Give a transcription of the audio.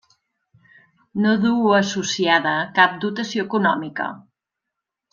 No duu associada cap dotació econòmica.